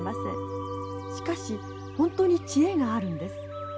しかし本当に知恵があるんです。